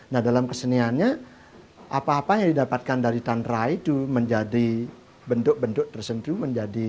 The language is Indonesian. nah dalam keseniannya apa apa yang didapatkan dari tanrah itu menjadi bentuk bentuk tersentuh menjadi